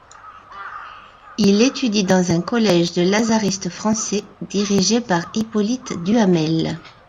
Il étudie dans un collège de lazaristes français, dirigé par Hippolyte Duhamel.